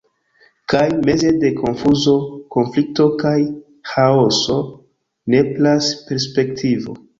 Kaj, meze de konfuzo, konflikto kaj ĥaoso, nepras perspektivo.